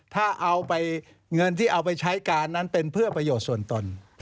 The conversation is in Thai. ถ้าเอาไปเงินที่เอาไปใช้การนั้นเป็นเพื่อประโยชน์ส่วนตน